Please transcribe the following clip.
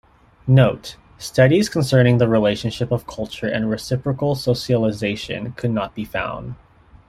Note: Studies concerning the relationship of culture and reciprocal socialization could not be found.